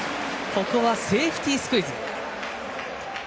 ここはセーフティースクイズ。